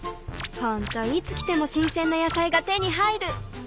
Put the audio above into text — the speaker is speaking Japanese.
ほんといつ来ても新鮮な野菜が手に入る！